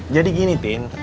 jadi gini tin